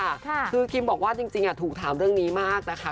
ไม่หรุงคิมบอกว่าจริงถูกถามเรื่องนี้มากนะคะ